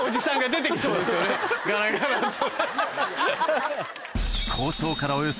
ガラガラっと。